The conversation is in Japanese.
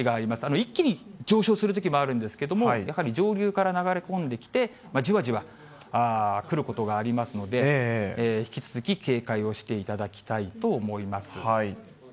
一気に上昇するときもあるんですけれども、やはり、上流から流れ込んできて、じわじわ、来ることがありますので、引き続き、警戒をしていただきたいと思います。